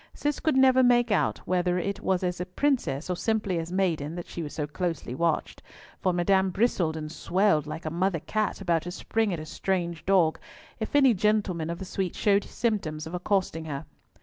Cis could never make out whether it was as princess or simply as maiden that she was so closely watched, for Madame bristled and swelled like a mother cat about to spring at a strange dog, if any gentleman of the suite showed symptoms of accosting her.